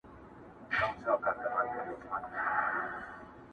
درد لا هم هماغسې پاتې دی